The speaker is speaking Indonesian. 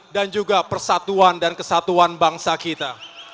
dan juga persatuan dan kesatuan bangsa kita